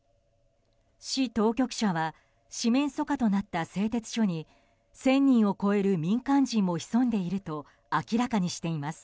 市当局者は四面楚歌となった製鉄所に１０００人を超える民間人も潜んでいると明らかにしています。